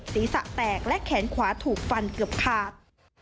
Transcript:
ศีรษะแตกและแขนขวาถูกฟันเกือบขาด